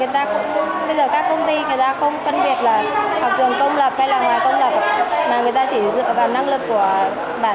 thì bây giờ các công ty người ta không phân biệt là học trường công lập hay là ngoài công lập